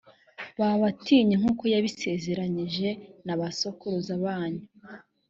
babatinye nk’uko yabibasezeranyije nabasokuruza banyu.